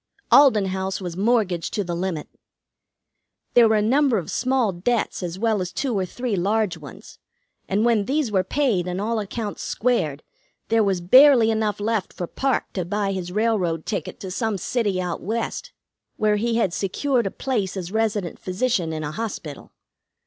Alden House was mortgaged to the limit. There were a number of small debts as well as two or three large ones, and when these were paid and all accounts squared there was barely enough left for Parke to buy his railroad ticket to some city out West, where he had secured a place as resident physician in a hospital.